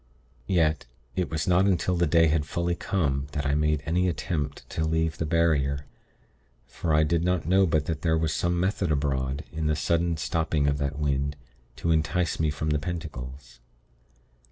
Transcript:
Yet, it was not until the day had fully come, that I made any attempt to leave the barrier, for I did not know but that there was some method abroad, in the sudden stopping of that wind, to entice me from the pentacles.